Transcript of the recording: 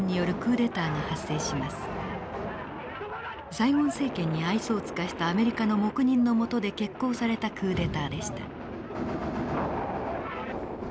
サイゴン政権に愛想を尽かしたアメリカの黙認の下で決行されたクーデターでした。